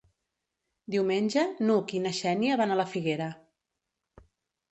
Diumenge n'Hug i na Xènia van a la Figuera.